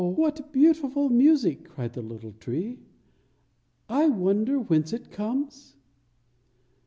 "What beautiful music!" cried the little tree. "I wonder whence it comes."